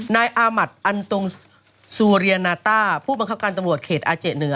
นายอามัติอันตรงซูเรียนาต้าผู้บังคับการตำรวจเขตอาเจเหนือ